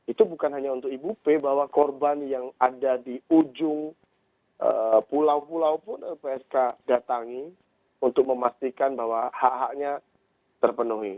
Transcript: itu bukan hanya untuk ibu p bahwa korban yang ada di ujung pulau pulau pun lpsk datangi untuk memastikan bahwa hak haknya terpenuhi